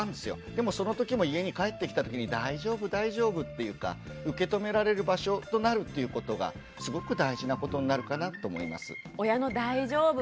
でもそのときも家に帰ってきたときに「大丈夫大丈夫」っていうか受け止められる場所となるっていうことがすごく大事なことになるかなと思います。